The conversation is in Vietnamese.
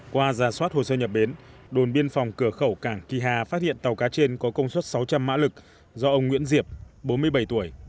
qua giả soát hồ sơ nhập bến đồn biên phòng cửa khẩu cảng kỳ hà phát hiện tàu cá trên có công suất sáu trăm linh mã lực do ông nguyễn diệp bốn mươi bảy tuổi